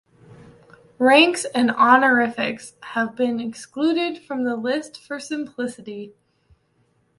Ranks and honorifics have been excluded from the list for simplicity.